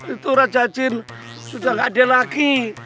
itu rajacin sudah gak ada lagi